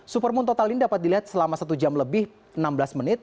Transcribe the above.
supermoon total ini dapat dilihat selama satu jam lebih enam belas menit